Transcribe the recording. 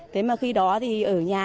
thế mà khi đó thì ở nhà